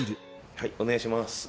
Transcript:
はいお願いします。